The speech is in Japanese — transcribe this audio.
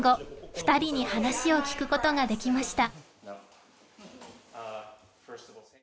二人に話を聞くことができました